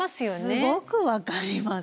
すごく分かります。